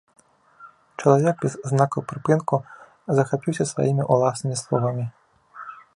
Чалавек без знакаў прыпынку захапіўся сваімі ўласнымі словамі.